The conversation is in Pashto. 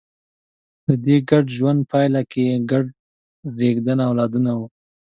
د دې ګډ ژوند پایله ګډ زېږنده اولادونه وو.